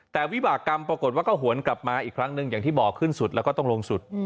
แต่วิบากรรมปรากฏว่าก็หวนกลับมาอีกครั้งหนึ่งอย่างที่บอกขึ้นสุดแล้วก็ต้องลงสุด